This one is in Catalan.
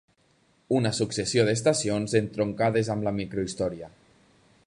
Una successió d'estacions entroncades amb la microhistòria.